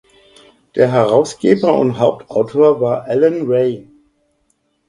Der Herausgeber und Hauptautor war Alain Rey.